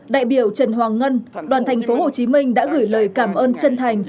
đại biểu trần hoàng ngân đoàn thành phố hồ chí minh đã gửi lời cảm ơn chân thành